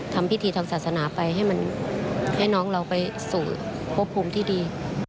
ทำพิธีทางศาสนาไปให้น้องเราไปสู่ควบคุมที่ดี